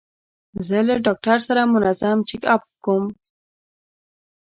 زه له ډاکټر سره منظم چیک اپ کوم.